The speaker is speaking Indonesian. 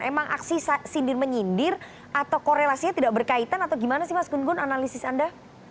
emang aksi sindir menyindir atau korelasinya tidak berkaitan atau gimana sih mas gun gun analisis anda